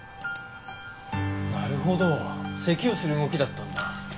なるほど咳をする動きだったんだ。